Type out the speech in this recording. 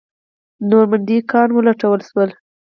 نور منډیي ګان ولټول شول.